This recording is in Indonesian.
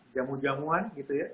jamu jamuan gitu ya